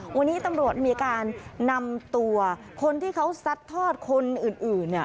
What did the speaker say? วันนี้ตำรวจมีการนำตัวคนที่เขาซัดทอดคนอื่นเนี่ย